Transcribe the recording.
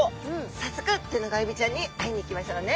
早速テナガエビちゃんに会いに行きましょうね。